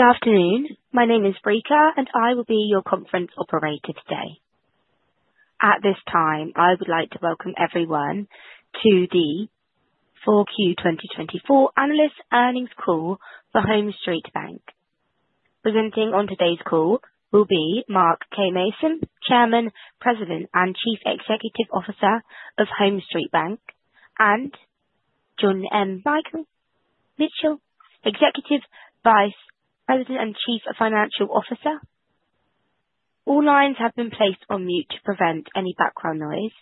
Good afternoon. My name is Rika, and I will be your conference operator today. At this time, I would like to welcome everyone to the 4Q 2024 analysts' earnings call for HomeStreet Bank. Presenting on today's call will be Mark K. Mason, Chairman, President, and Chief Executive Officer of HomeStreet Bank, and John M. Michel, Executive Vice President and Chief Financial Officer. All lines have been placed on mute to prevent any background noise,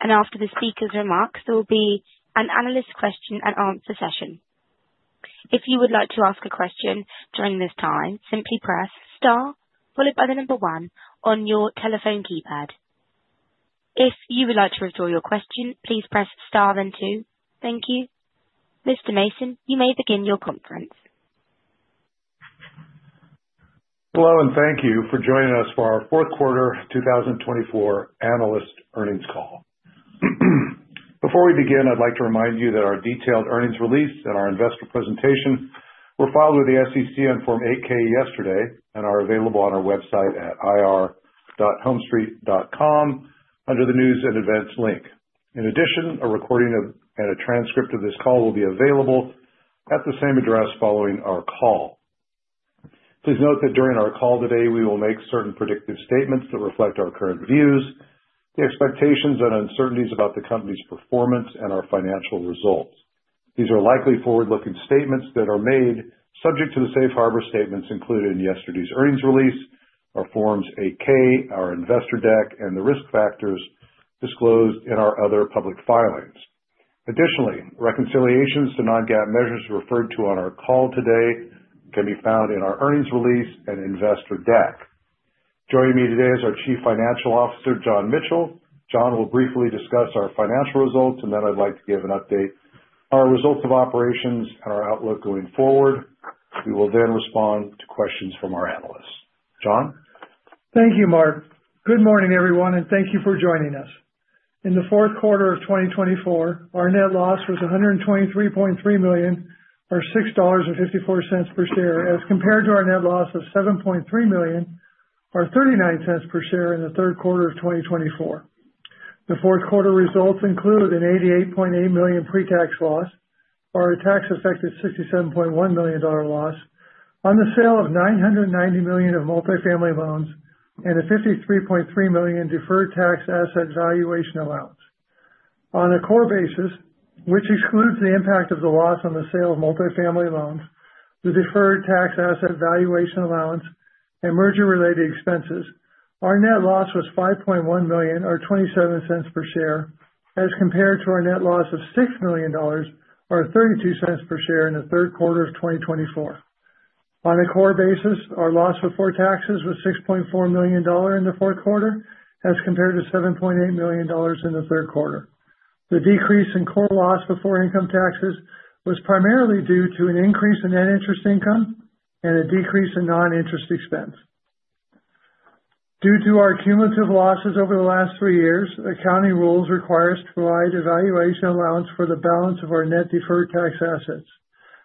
and after the speaker's remarks, there will be an analyst question-and-answer session. If you would like to ask a question during this time, simply press star, followed by the number one on your telephone keypad. If you would like to withdraw your question, please press star then two. Thank you. Mr. Mason, you may begin your conference. Hello, and thank you for joining us for our fourth quarter 2024 analyst earnings call. Before we begin, I'd like to remind you that our detailed earnings release and our investor presentation were filed with the SEC on Form 8-K yesterday and are available on our website at ir.homestreet.com under the news and events link. In addition, a recording and a transcript of this call will be available at the same address following our call. Please note that during our call today, we will make certain predictive statements that reflect our current views, the expectations, and uncertainties about the company's performance and our financial results. These are likely forward-looking statements that are made subject to the safe harbor statements included in yesterday's earnings release, our Forms 8-K, our investor deck, and the risk factors disclosed in our other public filings. Additionally, reconciliations to non-GAAP measures referred to on our call today can be found in our earnings release and investor deck. Joining me today is our Chief Financial Officer, John Michel. John will briefly discuss our financial results, and then I'd like to give an update on our results of operations and our outlook going forward. We will then respond to questions from our analysts. John? Thank you, Mark. Good morning, everyone, and thank you for joining us. In the fourth quarter of 2024, our net loss was $123.3 million, or $6.54 per share, as compared to our net loss of $7.3 million, or $0.39 per share in the third quarter of 2024. The fourth quarter results include an $88.8 million pre-tax loss, or a tax-affected $67.1 million loss, on the sale of $990 million of multifamily loans, and a $53.3 million deferred tax asset valuation allowance. On a core basis, which excludes the impact of the loss on the sale of multifamily loans, the deferred tax asset valuation allowance, and merger-related expenses, our net loss was $5.1 million, or $0.27 per share, as compared to our net loss of $6 million, or $0.32 per share in the third quarter of 2024. On a core basis, our loss before taxes was $6.4 million in the fourth quarter, as compared to $7.8 million in the third quarter. The decrease in core loss before income taxes was primarily due to an increase in net interest income and a decrease in non-interest expense. Due to our cumulative losses over the last three years, accounting rules require us to provide a valuation allowance for the balance of our net deferred tax assets,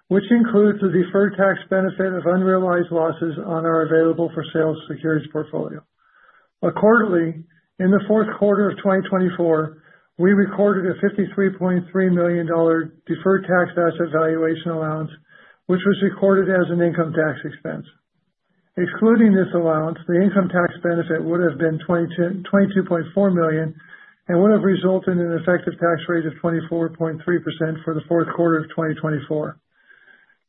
which includes the deferred tax benefit of unrealized losses on our available for sale securities portfolio. Accordingly, in the fourth quarter of 2024, we recorded a $53.3 million deferred tax asset valuation allowance, which was recorded as an income tax expense. Excluding this allowance, the income tax benefit would have been $22.4 million and would have resulted in an effective tax rate of 24.3% for the fourth quarter of 2024.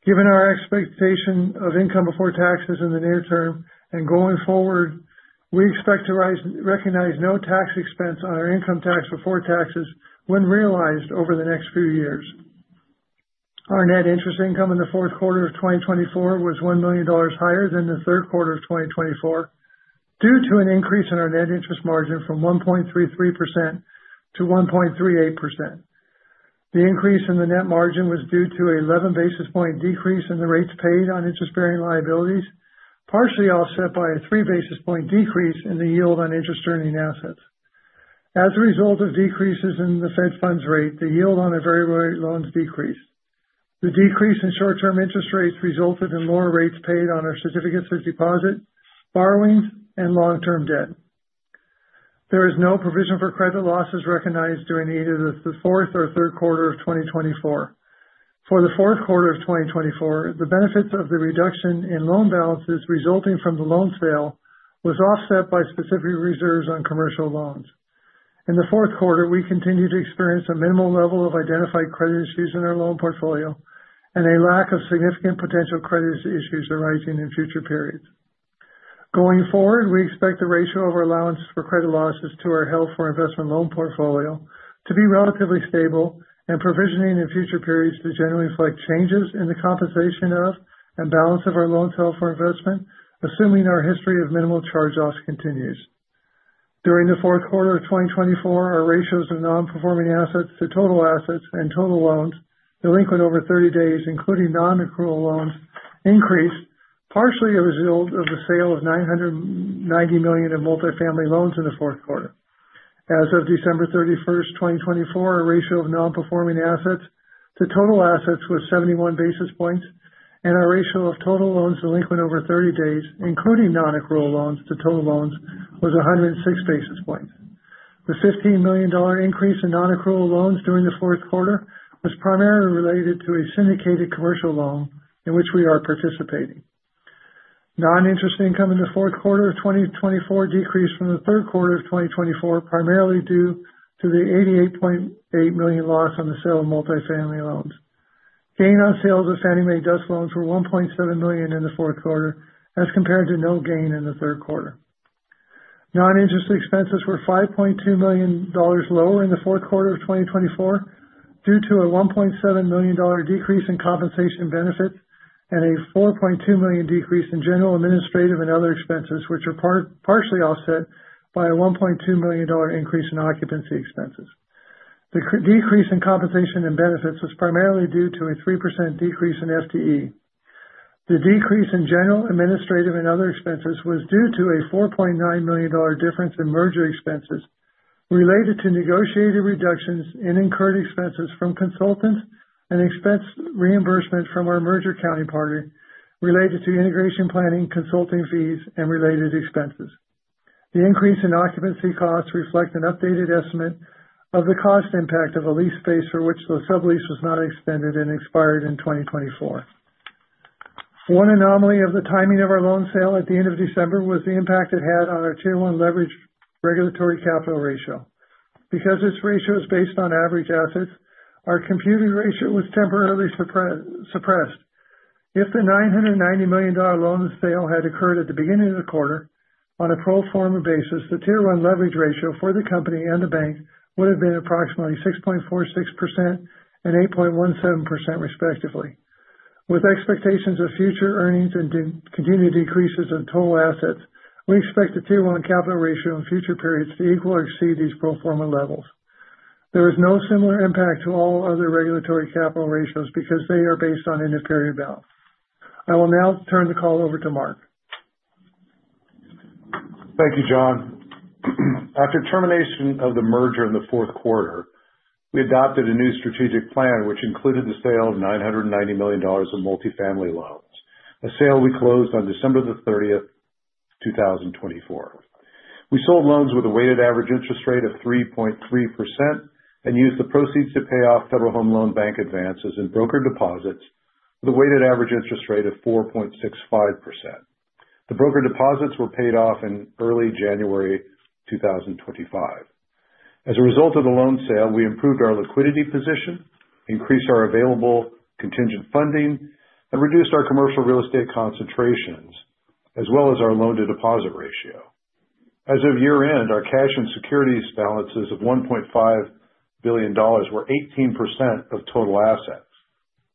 Given our expectation of income before taxes in the near term and going forward, we expect to recognize no tax expense on our income tax before taxes when realized over the next few years. Our net interest income in the fourth quarter of 2024 was $1 million higher than the third quarter of 2024 due to an increase in our net interest margin from 1.33% to 1.38%. The increase in the net margin was due to an 11 basis point decrease in the rates paid on interest-bearing liabilities, partially offset by a 3 basis point decrease in the yield on interest-earning assets. As a result of decreases in the Fed funds rate, the yield on our variable rate loans decreased. The decrease in short-term interest rates resulted in lower rates paid on our certificates of deposit, borrowings, and long-term debt. There is no provision for credit losses recognized during either the fourth or third quarter of 2024. For the fourth quarter of 2024, the benefits of the reduction in loan balances resulting from the loan sale were offset by specific reserves on commercial loans. In the fourth quarter, we continue to experience a minimal level of identified credit issues in our loan portfolio and a lack of significant potential credit issues arising in future periods. Going forward, we expect the ratio of our allowance for credit losses to our held for investment loan portfolio to be relatively stable and provisioning in future periods to generally reflect changes in the composition and balance of our loans held for investment, assuming our history of minimal charge-offs continues. During the fourth quarter of 2024, our ratios of non-performing assets to total assets and total loans delinquent over 30 days, including non-accrual loans, increased, partially a result of the sale of $990 million of multifamily loans in the fourth quarter. As of December 31, 2024, our ratio of non-performing assets to total assets was 71 basis points, and our ratio of total loans delinquent over 30 days, including non-accrual loans to total loans, was 106 basis points. The $15 million increase in non-accrual loans during the fourth quarter was primarily related to a syndicated commercial loan in which we are participating. Non-interest income in the fourth quarter of 2024 decreased from the third quarter of 2024, primarily due to the $88.8 million loss on the sale of multifamily loans. Gain on sales of Fannie Mae DUS loans were $1.7 million in the fourth quarter, as compared to no gain in the third quarter. Non-interest expenses were $5.2 million lower in the fourth quarter of 2024 due to a $1.7 million decrease in compensation benefits and a $4.2 million decrease in general administrative and other expenses, which were partially offset by a $1.2 million increase in occupancy expenses. The decrease in compensation and benefits was primarily due to a 3% decrease in FTE. The decrease in general administrative and other expenses was due to a $4.9 million difference in merger expenses related to negotiated reductions in incurred expenses from consultants and expense reimbursement from our merger partner related to integration planning, consulting fees, and related expenses. The increase in occupancy costs reflects an updated estimate of the cost impact of a leased space for which the sublease was not extended and expired in 2024. One anomaly of the timing of our loan sale at the end of December was the impact it had on our Tier 1 leverage ratio. Because this ratio is based on average assets, our computed ratio was temporarily suppressed. If the $990 million loan sale had occurred at the beginning of the quarter on a pro forma basis, the Tier 1 leverage ratio for the company and the bank would have been approximately 6.46% and 8.17%, respectively. With expectations of future earnings and continued decreases in total assets, we expect the Tier 1 capital ratio in future periods to equal or exceed these pro forma levels. There is no similar impact to all other regulatory capital ratios because they are based on interperiod balance. I will now turn the call over to Mark. Thank you, John. After termination of the merger in the fourth quarter, we adopted a new strategic plan, which included the sale of $990 million of multifamily loans, a sale we closed on December 30, 2024. We sold loans with a weighted average interest rate of 3.3% and used the proceeds to pay off Federal Home Loan Bank advances and brokered deposits with a weighted average interest rate of 4.65%. The brokered deposits were paid off in early January 2025. As a result of the loan sale, we improved our liquidity position, increased our available contingent funding, and reduced our commercial real estate concentrations, as well as our loan-to-deposit ratio. As of year-end, our cash and securities balances of $1.5 billion were 18% of total assets.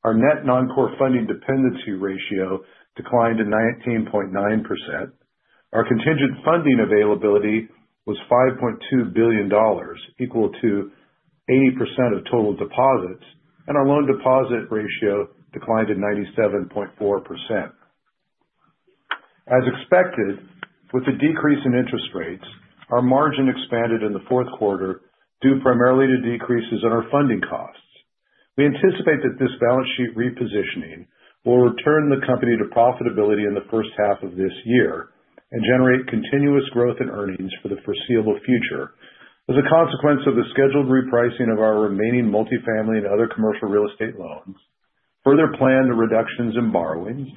Our net non-core funding dependency ratio declined to 19.9%. Our contingent funding availability was $5.2 billion, equal to 80% of total deposits, and our loan-to-deposit ratio declined to 97.4%. As expected, with the decrease in interest rates, our margin expanded in the fourth quarter due primarily to decreases in our funding costs. We anticipate that this balance sheet repositioning will return the company to profitability in the first half of this year and generate continuous growth in earnings for the foreseeable future. As a consequence of the scheduled repricing of our remaining multifamily and other commercial real estate loans, further planned reductions in borrowings,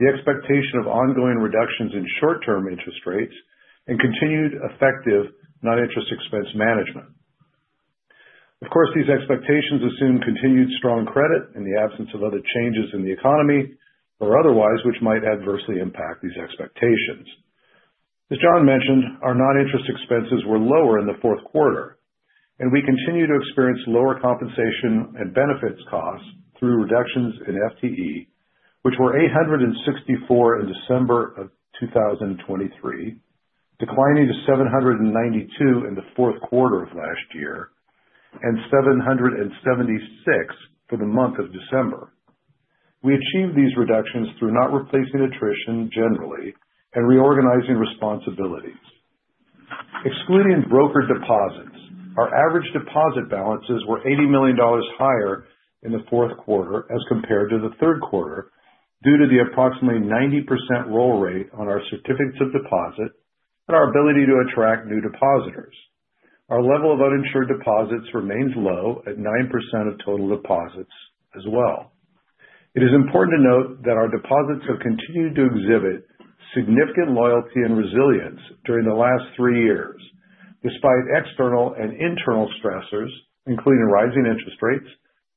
the expectation of ongoing reductions in short-term interest rates, and continued effective non-interest expense management. Of course, these expectations assume continued strong credit in the absence of other changes in the economy or otherwise, which might adversely impact these expectations. As John mentioned, our non-interest expenses were lower in the fourth quarter, and we continue to experience lower compensation and benefits costs through reductions in FTE, which were 864 in December of 2023, declining to 792 in the fourth quarter of last year, and 776 for the month of December. We achieved these reductions through not replacing attrition generally and reorganizing responsibilities. Excluding brokered deposits, our average deposit balances were $80 million higher in the fourth quarter as compared to the third quarter due to the approximately 90% roll rate on our certificates of deposit and our ability to attract new depositors. Our level of uninsured deposits remains low at 9% of total deposits as well. It is important to note that our deposits have continued to exhibit significant loyalty and resilience during the last three years, despite external and internal stressors, including rising interest rates,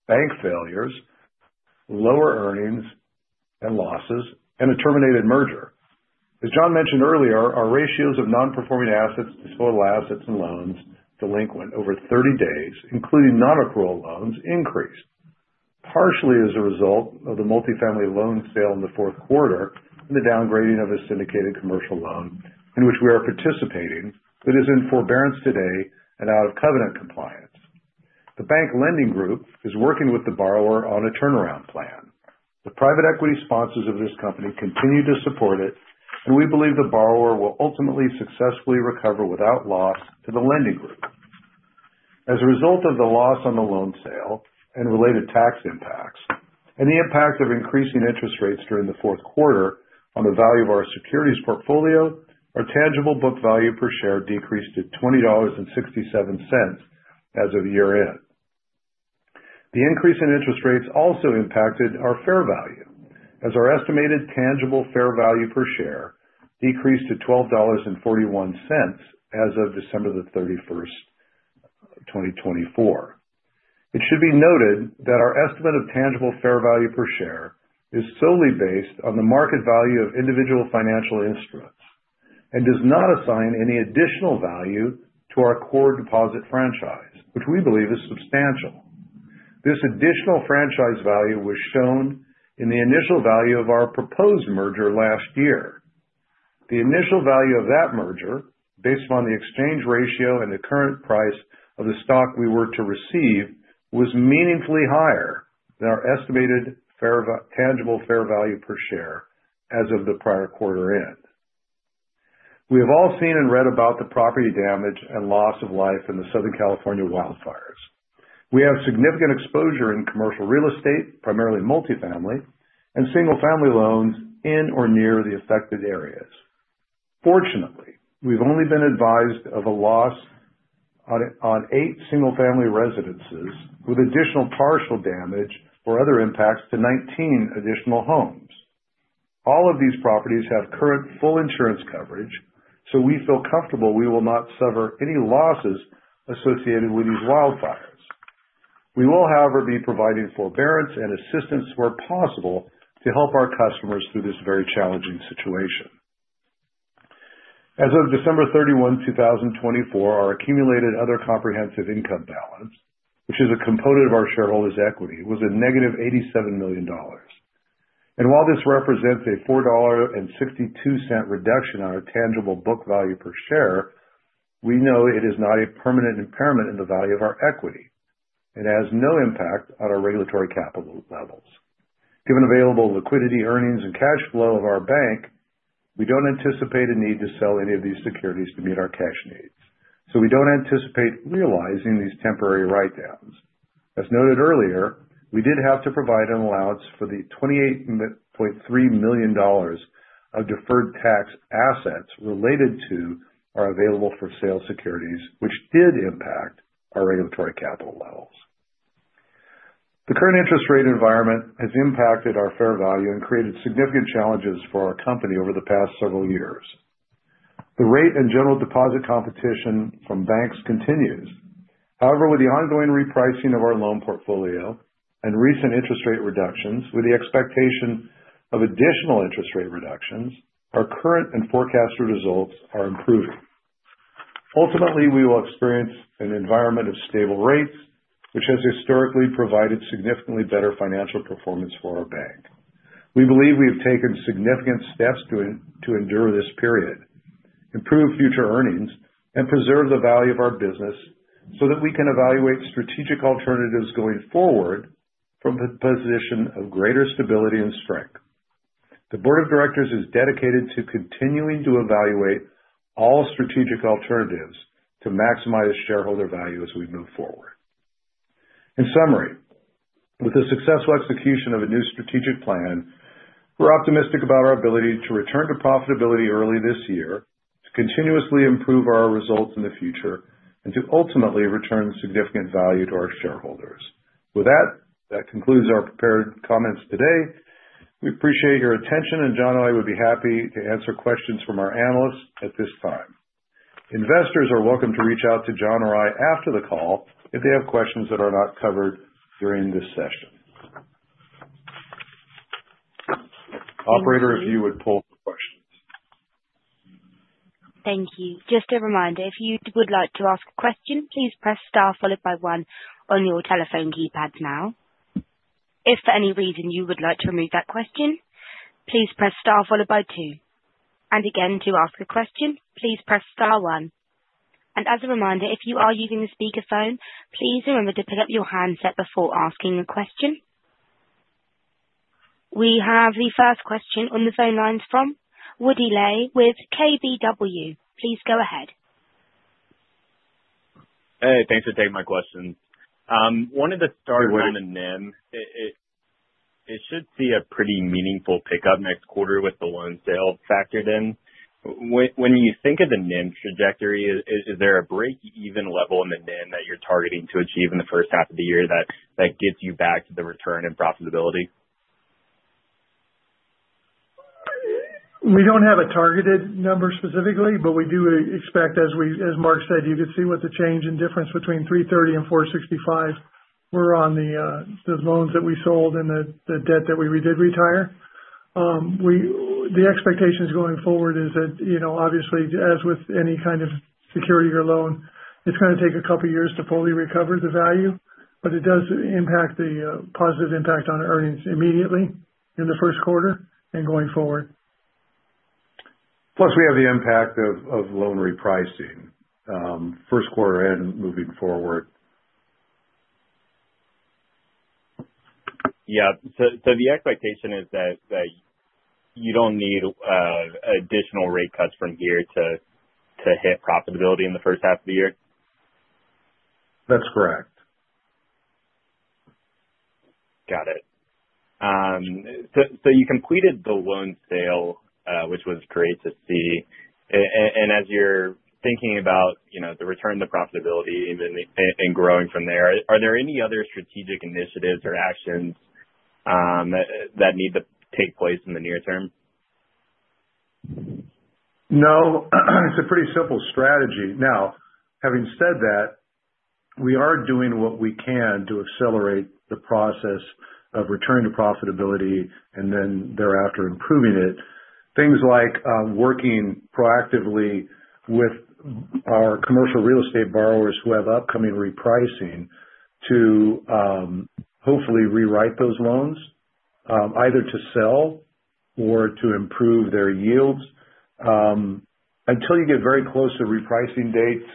bank failures, lower earnings and losses, and a terminated merger. As John mentioned earlier, our ratios of non-performing assets to total assets and loans delinquent over 30 days, including non-accrual loans, increased, partially as a result of the multifamily loan sale in the fourth quarter and the downgrading of a syndicated commercial loan in which we are participating that is in forbearance today and out of covenant compliance. The bank lending group is working with the borrower on a turnaround plan. The private equity sponsors of this company continue to support it, and we believe the borrower will ultimately successfully recover without loss to the lending group. As a result of the loss on the loan sale and related tax impacts, and the impact of increasing interest rates during the fourth quarter on the value of our securities portfolio, our tangible book value per share decreased to $20.67 as of year-end. The increase in interest rates also impacted our fair value, as our estimated tangible fair value per share decreased to $12.41 as of December 31, 2024. It should be noted that our estimate of tangible fair value per share is solely based on the market value of individual financial instruments and does not assign any additional value to our core deposit franchise, which we believe is substantial. This additional franchise value was shown in the initial value of our proposed merger last year. The initial value of that merger, based upon the exchange ratio and the current price of the stock we were to receive, was meaningfully higher than our estimated tangible fair value per share as of the prior quarter-end. We have all seen and read about the property damage and loss of life in the Southern California wildfires. We have significant exposure in commercial real estate, primarily multifamily, and single-family loans in or near the affected areas. Fortunately, we've only been advised of a loss on eight single-family residences with additional partial damage or other impacts to 19 additional homes. All of these properties have current full insurance coverage, so we feel comfortable we will not suffer any losses associated with these wildfires. We will, however, be providing forbearance and assistance where possible to help our customers through this very challenging situation. As of December 31, 2024, our accumulated other comprehensive income balance, which is a component of our shareholders' equity, was a -$87 million, and while this represents a $4.62 reduction on our tangible book value per share, we know it is not a permanent impairment in the value of our equity and has no impact on our regulatory capital levels. Given available liquidity, earnings, and cash flow of our bank, we don't anticipate a need to sell any of these securities to meet our cash needs, so we don't anticipate realizing these temporary write-downs. As noted earlier, we did have to provide an allowance for the $28.3 million of deferred tax assets related to our available for sale securities, which did impact our regulatory capital levels. The current interest rate environment has impacted our fair value and created significant challenges for our company over the past several years. The rate and general deposit competition from banks continues. However, with the ongoing repricing of our loan portfolio and recent interest rate reductions, with the expectation of additional interest rate reductions, our current and forecasted results are improving. Ultimately, we will experience an environment of stable rates, which has historically provided significantly better financial performance for our bank. We believe we have taken significant steps to endure this period, improve future earnings, and preserve the value of our business so that we can evaluate strategic alternatives going forward from the position of greater stability and strength. The Board of Directors is dedicated to continuing to evaluate all strategic alternatives to maximize shareholder value as we move forward. In summary, with the successful execution of a new strategic plan, we're optimistic about our ability to return to profitability early this year, to continuously improve our results in the future, and to ultimately return significant value to our shareholders. With that, that concludes our prepared comments today. We appreciate your attention, and John and I would be happy to answer questions from our analysts at this time. Investors are welcome to reach out to John or I after the call if they have questions that are not covered during this session. Operator, if you would pull the questions. Thank you. Just a reminder, if you would like to ask a question, please press star followed by one on your telephone keypad now. If for any reason you would like to remove that question, please press star followed by two. And again, to ask a question, please press star one. And as a reminder, if you are using a speakerphone, please remember to pick up your handset before asking a question. We have the first question on the phone lines from Woody Lay with KBW. Please go ahead. Hey, thanks for taking my question. I wanted to start with the NIM. It should be a pretty meaningful pickup next quarter with the loan sale factored in. When you think of the NIM trajectory, is there a break-even level in the NIM that you're targeting to achieve in the first half of the year that gets you back to the return in profitability? We don't have a targeted number specifically, but we do expect, as Mark said, you could see what the change in difference between 330 and 465 were on the loans that we sold and the debt that we did retire. The expectations going forward is that, obviously, as with any kind of security or loan, it's going to take a couple of years to fully recover the value, but it does impact the positive impact on earnings immediately in the first quarter and going forward. Plus, we have the impact of loan repricing first quarter-end moving forward. Yeah. So the expectation is that you don't need additional rate cuts from here to hit profitability in the first half of the year? That's correct. Got it. So you completed the loan sale, which was great to see. And as you're thinking about the return to profitability and growing from there, are there any other strategic initiatives or actions that need to take place in the near term? No. It's a pretty simple strategy. Now, having said that, we are doing what we can to accelerate the process of return to profitability and then thereafter improving it. Things like working proactively with our commercial real estate borrowers who have upcoming repricing to hopefully rewrite those loans, either to sell or to improve their yields. Until you get very close to repricing dates,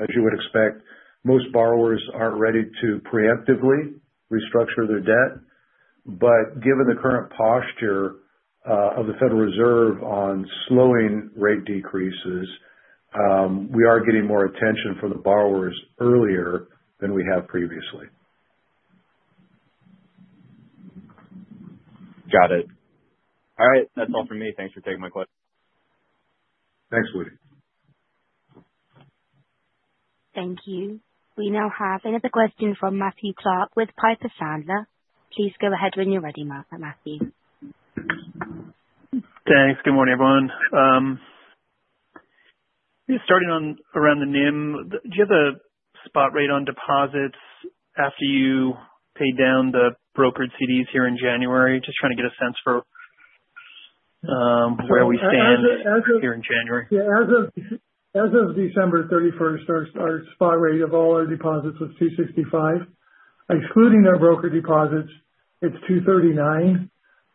as you would expect, most borrowers aren't ready to preemptively restructure their debt. Given the current posture of the Federal Reserve on slowing rate decreases, we are getting more attention from the borrowers earlier than we have previously. Got it. All right. That's all for me. Thanks for taking my questions. Thanks, Woody. Thank you. We now have another question from Matthew Clark with Piper Sandler. Please go ahead when you're ready, Matthew. Thanks. Good morning, everyone. Starting around the NIM, do you have a spot rate on deposits after you pay down the brokered CDs here in January? Just trying to get a sense for where we stand here in January. Yeah. As of December 31st, our spot rate of all our deposits was 265. Excluding our brokered deposits, it's 239.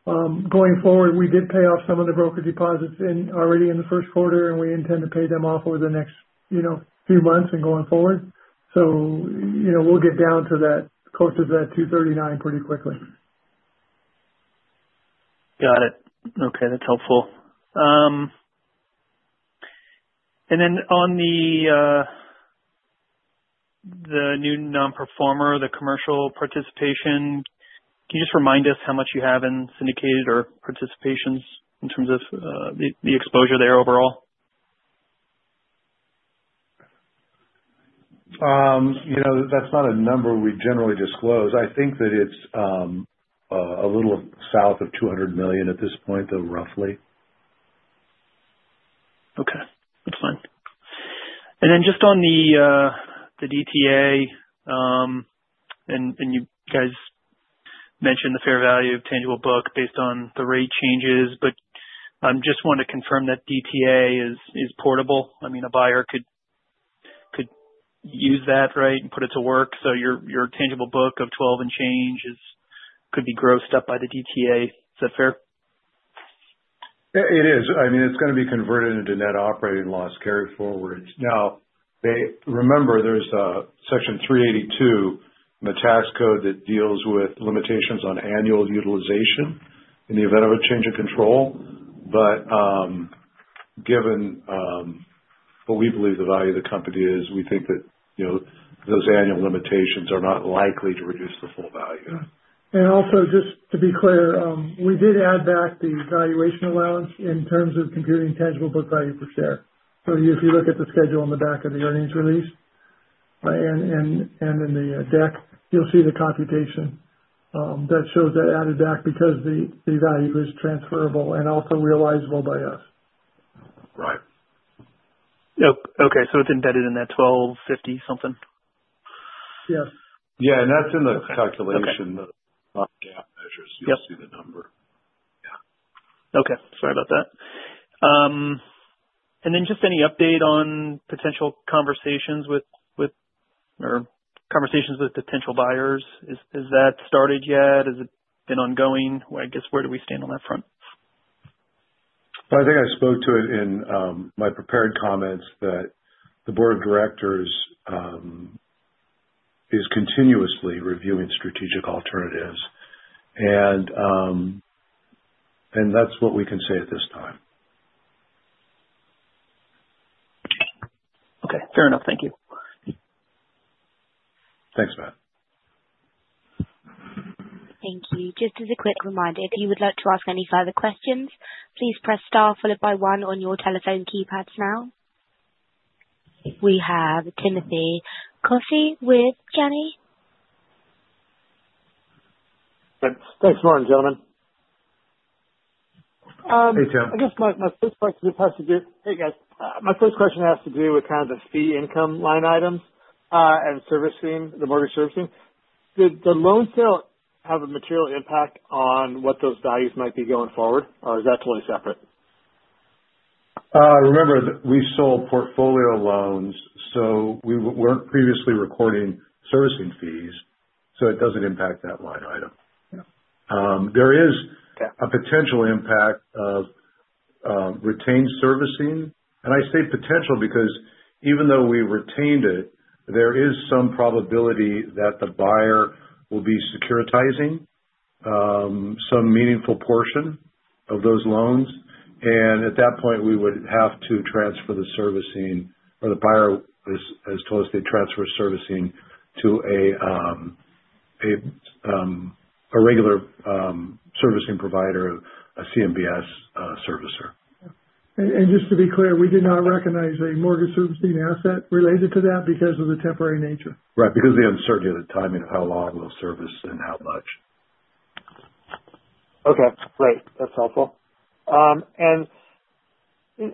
Going forward, we did pay off some of the brokered deposits already in the first quarter, and we intend to pay them off over the next few months and going forward. So we'll get down to that close to that 239 pretty quickly. Got it. Okay. That's helpful. And then on the new nonperforming, the commercial participation, can you just remind us how much you have in syndicated or participations in terms of the exposure there overall? That's not a number we generally disclose. I think that it's a little south of $200 million at this point, though, roughly. Okay. That's fine. And then just on the DTA, and you guys mentioned the fair value of tangible book based on the rate changes, but I just want to confirm that DTA is portable. I mean, a buyer could use that, right, and put it to work. So your tangible book of 12 and change could be grossed up by the DTA. Is that fair? It is. I mean, it's going to be converted into net operating loss carry forward. Now, remember, there's a Section 382 in the tax code that deals with limitations on annual utilization in the event of a change of control. But given what we believe the value of the company is, we think that those annual limitations are not likely to reduce the full value. Just to be clear, we did add back the valuation allowance in terms of computing tangible book value per share. If you look at the schedule on the back of the earnings release and in the deck, you'll see the computation that shows that added back because the value is transferable and also realizable by us. Right. Yep. Okay. So it's embedded in that $12.50-something? Yes. Yeah. That's in the calculation. Yes. The bottom gap measures. You'll see the number. Yeah. Okay. Sorry about that. And then just any update on potential conversations with potential buyers? Has that started yet? Has it been ongoing? I guess, where do we stand on that front? I think I spoke to it in my prepared comments that the Board of Directors is continuously reviewing strategic alternatives, and that's what we can say at this time. Okay. Fair enough. Thank you. Thanks, Matt. Thank you. Just as a quick reminder, if you would like to ask any further questions, please press star followed by one on your telephone keypads now. We have Timothy Coffey with Janney. Thanks, Mark and gentlemen. Hey, Tim. Hey, guys. My first question has to do with kind of the fee income line items and servicing, the mortgage servicing. Did the loan sale have a material impact on what those values might be going forward, or is that totally separate? Remember that we sold portfolio loans, so we weren't previously recording servicing fees, so it doesn't impact that line item. There is a potential impact of retained servicing, and I say potential because even though we retained it, there is some probability that the buyer will be securitizing some meaningful portion of those loans, and at that point, we would have to transfer the servicing, or the buyer has told us they'd transfer servicing to a regular servicing provider, a CMBS servicer. Just to be clear, we did not recognize a mortgage servicing asset related to that because of the temporary nature. Right. Because of the uncertainty of the timing of how long they'll service and how much. Okay. Great. That's helpful. And, then,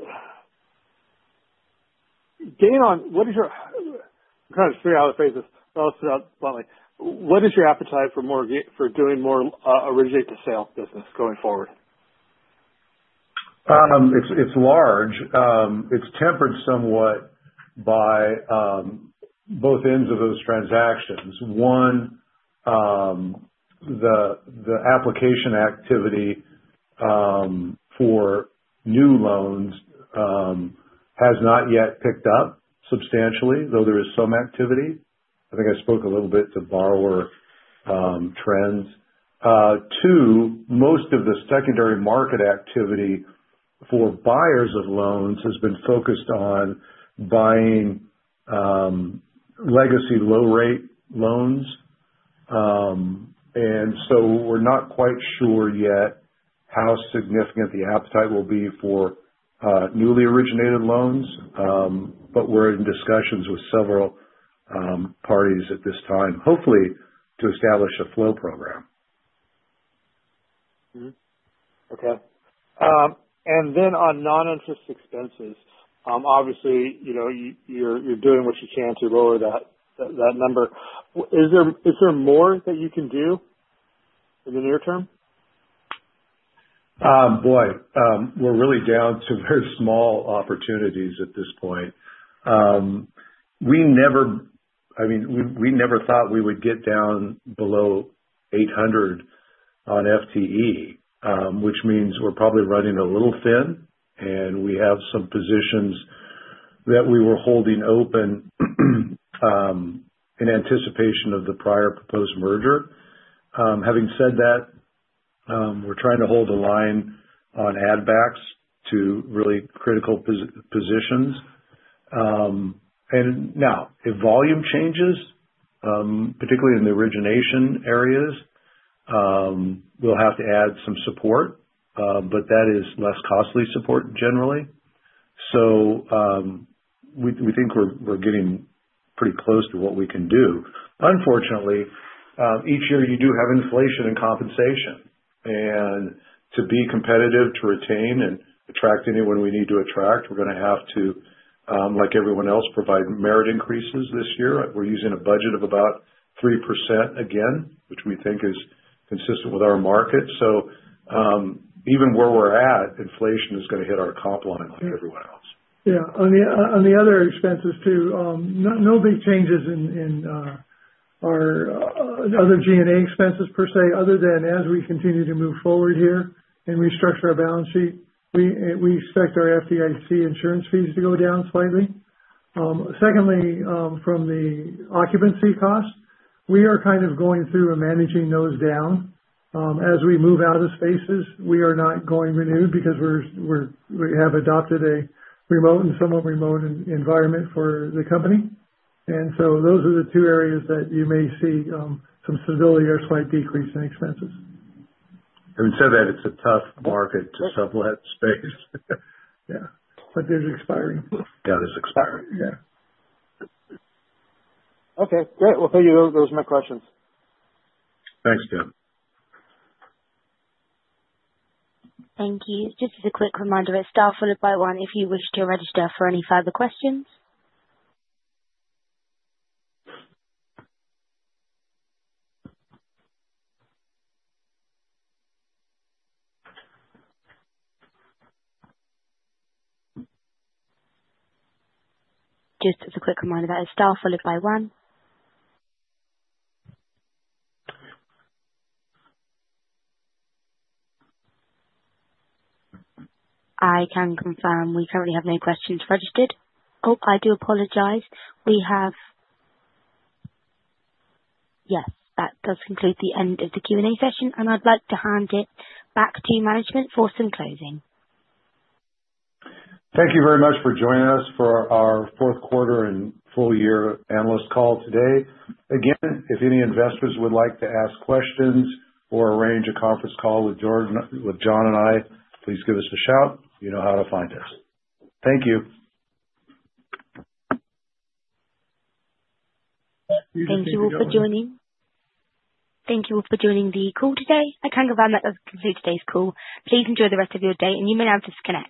what is your. I'm trying to figure out the phrases. I'll spit it out bluntly. What is your appetite for doing more originate-to-sale business going forward? It's large. It's tempered somewhat by both ends of those transactions. One, the application activity for new loans has not yet picked up substantially, though there is some activity. I think I spoke a little bit to borrower trends. Two, most of the secondary market activity for buyers of loans has been focused on buying legacy low-rate loans. And so we're not quite sure yet how significant the appetite will be for newly originated loans, but we're in discussions with several parties at this time, hopefully to establish a flow program. Okay. And then on non-interest expenses, obviously, you're doing what you can to lower that number. Is there more that you can do in the near term? Boy, we're really down to very small opportunities at this point. I mean, we never thought we would get down below 800 on FTE, which means we're probably running a little thin, and we have some positions that we were holding open in anticipation of the prior proposed merger. Having said that, we're trying to hold the line on add-backs to really critical positions. And now, if volume changes, particularly in the origination areas, we'll have to add some support, but that is less costly support generally. So we think we're getting pretty close to what we can do. Unfortunately, each year you do have inflation and compensation. And to be competitive, to retain and attract anyone we need to attract, we're going to have to, like everyone else, provide merit increases this year. We're using a budget of about 3% again, which we think is consistent with our market. So even where we're at, inflation is going to hit our comp line like everyone else. Yeah. On the other expenses too, no big changes in other G&A expenses per se, other than as we continue to move forward here and restructure our balance sheet, we expect our FDIC insurance fees to go down slightly. Secondly, from the occupancy costs, we are kind of going through and managing those down. As we move out of spaces, we are not going to renew because we have adopted a remote and somewhat remote environment for the company. And so those are the two areas that you may see some stability or slight decrease in expenses. Having said that, it's a tough market to sublet space. Yeah, but they're expiring. Yeah. They're expiring. Yeah. Okay. Great. Well, thank you. Those are my questions. Thanks, Tim. Thank you. Just as a quick reminder, press star one if you wish to register for any further questions. I can confirm we currently have no questions registered. Oh, I do apologize. We have. Yes. That does conclude the end of the Q&A session, and I'd like to hand it back to management for some closing. Thank you very much for joining us for our fourth quarter and full-year analyst call today. Again, if any investors would like to ask questions or arrange a conference call with John and I, please give us a shout. You know how to find us. Thank you. Thank you all for joining. Thank you all for joining the call today. I can confirm that we've completed today's call. Please enjoy the rest of your day, and you may now disconnect.